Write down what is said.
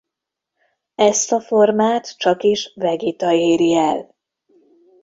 Ezt a formát csakis Vegita éri el.